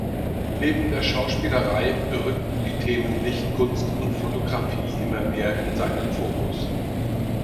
Neben der Schauspielerei rückten die Themen Lichtkunst und Fotografie immer mehr in seinen Fokus.